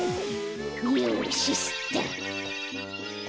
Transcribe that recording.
よしすった！